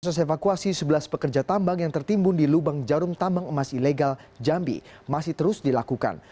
proses evakuasi sebelas pekerja tambang yang tertimbun di lubang jarum tambang emas ilegal jambi masih terus dilakukan